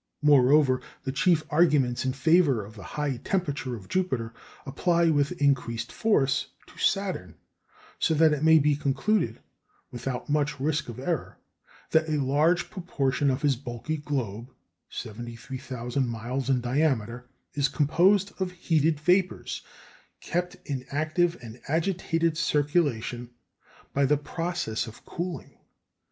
Moreover, the chief arguments in favour of the high temperature of Jupiter, apply, with increased force, to Saturn; so that it may be concluded, without much risk of error, that a large proportion of his bulky globe, 73,000 miles in diameter, is composed of heated vapours, kept in active and agitated circulation by the process of cooling.